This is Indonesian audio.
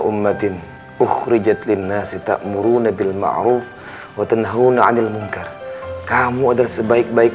ummatin ukhrijat linnah sita'muruna bilma'ruf watanahuna anil munkar kamu adalah sebaik baik